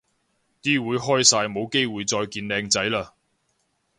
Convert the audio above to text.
啲會開晒冇機會再見靚仔嘞